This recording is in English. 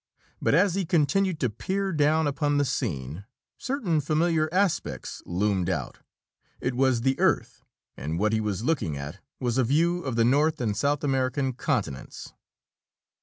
But as he continued to peer down upon the scene, certain familiar aspects loomed out. It was the Earth and what he was looking at was a view of the North and South American continents!